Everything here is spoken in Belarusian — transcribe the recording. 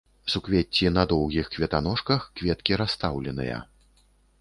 Суквецці на доўгіх кветаножках, кветкі расстаўленыя.